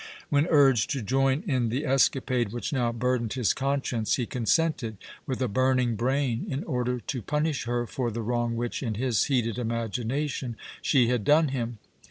When urged to join in the escapade which now burdened his conscience he consented with a burning brain in order to punish her for the wrong which, in his heated imagination, she had done him.